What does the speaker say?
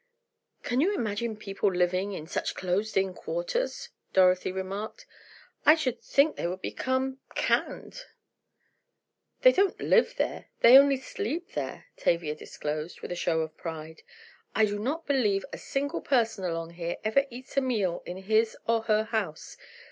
"Can you imagine people living in such closed in quarters?" Dorothy remarked, "I should think they would become—canned." "They don't live there,—they only sleep there," Tavia disclosed, with a show of pride. "I do not believe a single person along here ever eats a meal in his or her house.